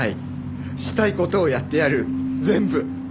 したい事をやってやる全部。